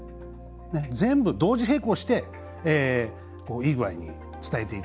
全部同時並行して、いいように伝えていく。